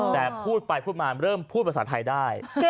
แต่พูดไปพูดมาเริ่มพูดภาษาไทยได้